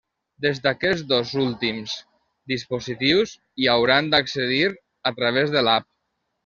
Des d'aquests dos últims dispositius hi hauran d'accedir a través de l'App.